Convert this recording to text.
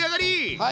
はい。